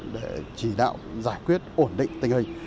để chỉ đạo giải quyết ổn định tình hình